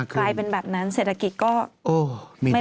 กลายเป็นแบบนั้นเศรษฐกิจก็ไม่